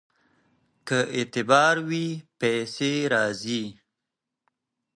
که اعتبار وي پیسې راځي.